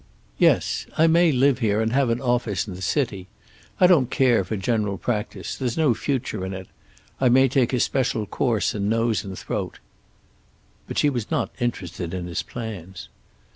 "Yes. I may live here, and have an office in the city. I don't care for general practise; there's no future in it. I may take a special course in nose and throat." But she was not interested in his plans.